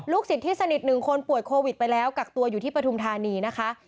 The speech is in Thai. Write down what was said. ศิษย์ที่สนิทหนึ่งคนป่วยโควิดไปแล้วกักตัวอยู่ที่ปฐุมธานีนะคะ